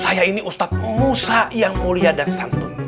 saya ini ustadz musa yang mulia dan santun